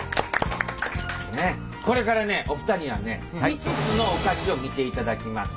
これからねお二人にはね５つのお菓子を見ていただきます。